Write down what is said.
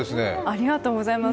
ありがとうございます。